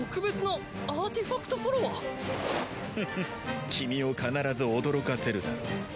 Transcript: フフッ君を必ず驚かせるだろう。